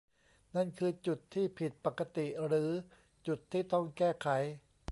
นั่นคือจุดที่ผิดปกติ หรือ จุดที่ต้องแก้ไข